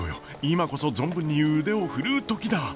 今こそ存分に腕を振るう時だ！